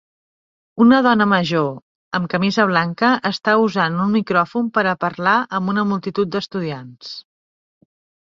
Una dona major amb camisa blanca està usant un micròfon per a parlar amb una multitud d'estudiants